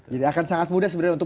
akan sangat mudah sebenarnya untuk